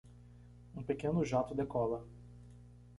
um pequeno jato decola.